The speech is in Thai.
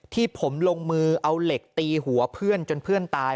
ที่ผมลงมือเอาเหล็กตีหัวเพื่อนจนเพื่อนตาย